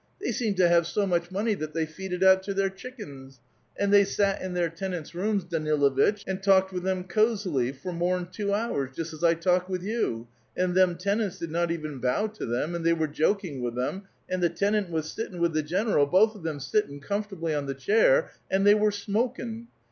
They seem to have so much money that they feed it out to their chickens.' And they sat in our tenants* rooms, Daniluitch, and talked with them cosily, for more'n two hours, just as Italk with you, and them tenants did not even bow to them, and they were joking with them, and the tenant was sitting with the general, both of them sitting com fortably on the chair, and they were smoking